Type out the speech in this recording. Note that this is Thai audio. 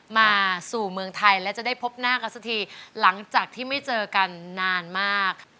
มาสู่เมืองไทยและจะได้พบหน้ากันสักทีหลังจากที่ไม่เจอกันนานมาก